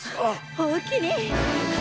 おおきに！